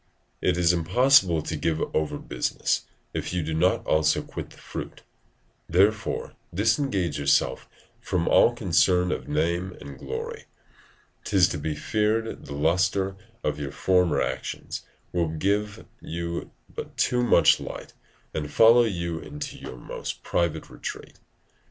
It is impossible to give over business, if you do not also quit the fruit; therefore disengage yourselves from all concern of name and glory; 'tis to be feared the lustre of your former actions will give you but too much light, and follow you into your most private retreat.